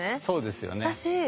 そうですよね。